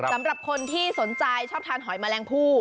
สำหรับคนที่สนใจชอบทานหอยแมลงผู้